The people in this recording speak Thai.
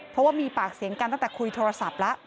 เพราะว่ามีปากเสียงกันตั้งแต่คุยโทรศัพท์แล้ว